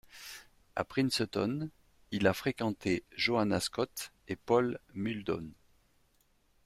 À Princeton, il a fréquenté Joanna Scott et Paul Muldoon.